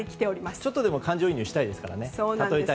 ちょっとでも感情移入したいですからね。